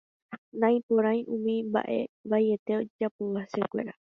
Naiporãi umi mbaʼe vaiete ojejapóva hesekuéra.